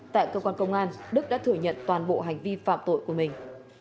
tại cơ quan công an đức đã thừa nhận toàn bộ hành vi phạm tội của mình